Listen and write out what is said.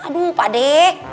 aduh pak de